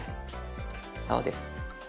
そうです。